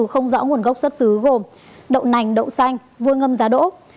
không rõ nguồn gốc xuất xứ gồm đậu nành đậu xanh vừa ngâm giá đỗ